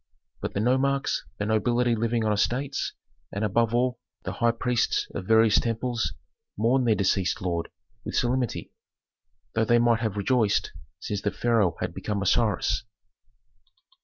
But the nomarchs, the nobility living on estates, and above all, the high priests of various temples mourned their deceased lord with solemnity, though they might have rejoiced, since the pharaoh had become Osiris.